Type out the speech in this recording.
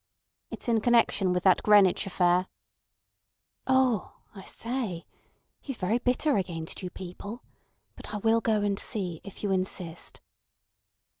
"It's in connection with that Greenwich affair." "Oh! I say! He's very bitter against you people. But I will go and see, if you insist."